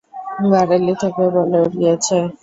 বারেলী থেকে বলিউডে গিয়েছে।